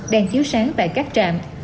đèn chiếu sáng tại các trạm